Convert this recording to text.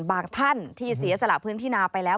ท่านที่เสียสละพื้นที่นาไปแล้ว